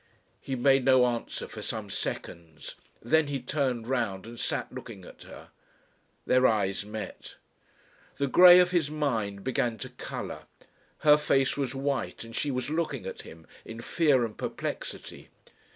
He made no answer for some seconds. Then he turned round and sat looking at her. Their eyes met.... The grey of his mind began to colour. Her face was white and she was looking at him, in fear and perplexity.